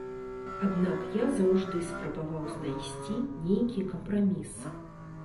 Аднак я заўжды спрабаваў знайсці нейкі кампраміс.